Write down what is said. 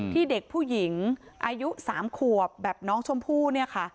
ที่เด็กผู้หญิงอายุ๓ขวบแบบน้องชมพู่เนี่ยค่ะ